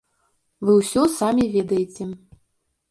Вы ўсё самі ведаеце.